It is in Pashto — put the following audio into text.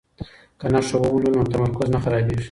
که نښه وولو نو تمرکز نه خرابیږي.